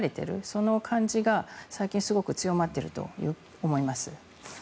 その感じが最近強まっていると思います。